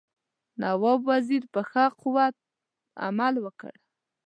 نواب وزیر په ښه قوت عمل وکړ.